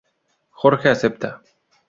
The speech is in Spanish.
Jorge acepta.